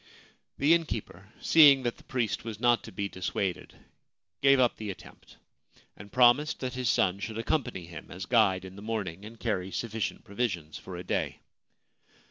The innkeeper, seeing that the priest was not to be dissuaded, gave up the attempt, and promised that his son should accompany him as guide in the morning, and carry sufficient provisions for a day.